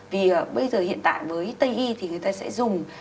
vì bây giờ hiện tại với tây y thì người ta sẽ dùng